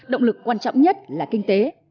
động lực quan trọng nhất là kinh tế